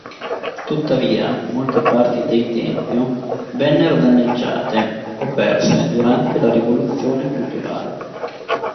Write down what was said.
Tuttavia, molte parti del tempio vennero danneggiate o perse durante la Rivoluzione Culturale.